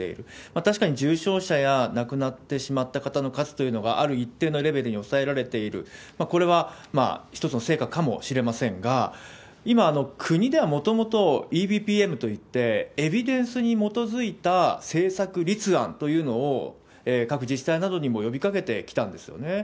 確かに重症者や亡くなってしまった人の数というのは、ある一定レベルに抑えられている、これは一つの成果かもしれませんが、今、国ではもともと、ＥＢＰＭといって、エビデンスに基づいた政策立案というのを、各自治体などにも呼びかけてきたんですよね。